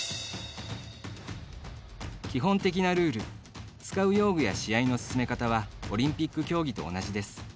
基本的なルール使う用具や試合の進め方はオリンピック競技と同じです。